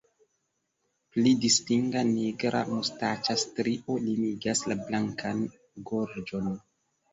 Pli distinga nigra mustaĉa strio limigas la blankan gorĝon.